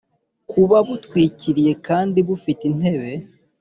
kuba butwikiriye kandi bufite intebe